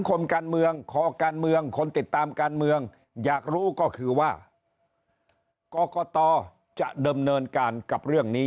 การเมืองคนติดตามการเมืองอยากรู้ก็คือว่าก็ก็ต่อจะดำเนินการกับเรื่องนี้